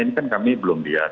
ini kan kami belum lihat